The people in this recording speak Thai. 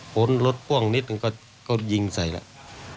รถพ่วงนิดนึงก็ยิงใส่แล้ว